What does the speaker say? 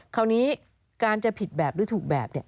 คราวนี้การจะผิดแบบหรือถูกแบบเนี่ย